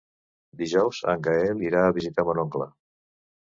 Dijous en Gaël irà a visitar mon oncle.